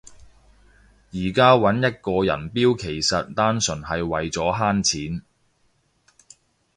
而家搵一個人標其實單純係為咗慳錢